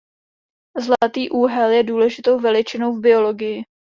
Zlatý úhel je důležitou veličinou v biologii.